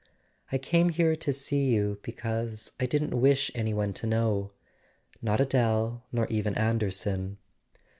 "I came here to see you because I didn't wish any one to know; not Adele, nor even Anderson."